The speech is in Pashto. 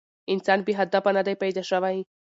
انسان بې هدفه نه دی پيداشوی